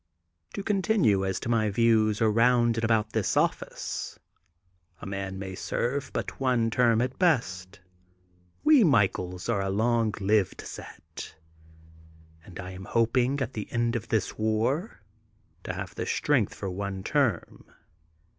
To continue as to my views around and iabout this office. A man may serve but one term at best. We Michaels are a long lived set, and I am hoping at the end of this war to have strength for one term.